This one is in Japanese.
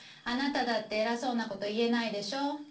あなただって偉そうなこと言えないでしょ？